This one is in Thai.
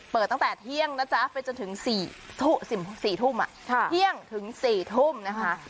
ตั้งแต่เที่ยงนะจ๊ะไปจนถึง๔ทุ่มเที่ยงถึง๔ทุ่มนะคะ